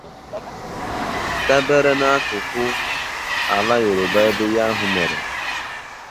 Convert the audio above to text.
Dàbere n'akụkụ ala Yoruba ebe ihe ahụ mere